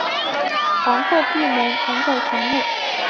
皇后闭门藏在墙内。